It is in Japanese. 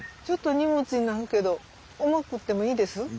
ちょっと荷物になるけど重くってもいいです？